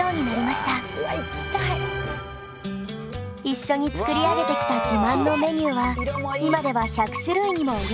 一緒に作り上げてきた自慢のメニューは今では１００種類にも及ぶそうです。